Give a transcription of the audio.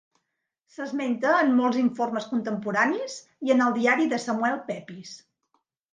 S'esmenta en molts informes contemporanis i en el diari de Samuel Pepys.